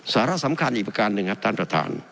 สาระสำคัญอีกประการหนึ่งครับท่านประธาน